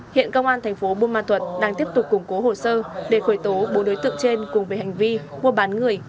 hiện công an thành phố buôn ma thuật đang tiếp tục củng cố hồ sơ để khởi tố bốn đối tượng trên cùng về hành vi mua bán người